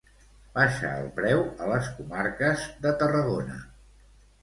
Baixa el preu a les comarques de Tarragona.